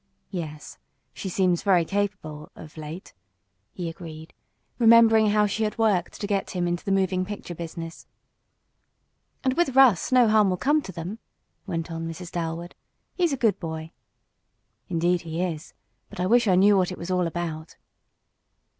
"Yes, she seems very capable of late," he agreed, remembering how she had worked to get him into the moving picture business. "And with Russ no harm will come to them," went on Mrs. Dalwood. "He's a good boy." "Indeed he is! But I wish I knew what it was all about."